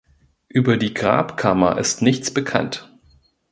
Über die Grabkammer ist nichts bekannt.